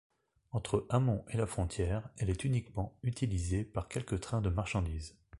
Entre Hamont et la frontière, elle est uniquement utilisée par quelques trains de marchandises.